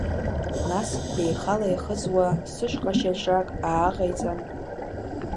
Нас, деихала-еихыҵуа, сышҟа шьаҿак ааҟаиҵан…